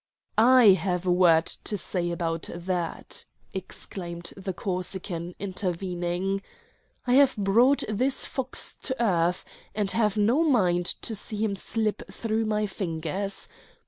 "I have a word to say about that," exclaimed the Corsican, intervening. "I have brought this fox to earth, and have no mind to see him slip through my fingers.